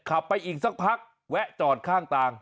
ขับไปอีกสักพักแวะจอดข้างทาง